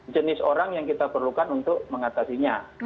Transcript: jenis orang yang kita perlukan untuk mengatasinya